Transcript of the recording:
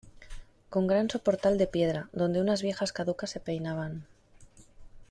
con gran soportal de piedra, donde unas viejas caducas se peinaban.